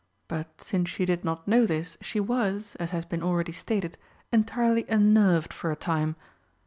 But since she did not know this, she was, as has been already stated, entirely unnerved for a time.